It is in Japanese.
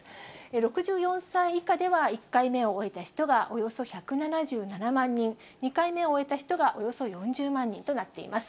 ６４歳以下では１回目を終えた人がおよそ１７７万人、２回目を終えた人がおよそ４０万人となっています。